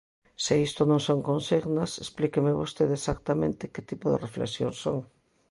Se isto non son consignas, explíqueme vostede exactamente que tipo de reflexións son.